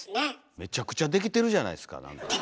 めちゃくちゃできてるじゃないですか。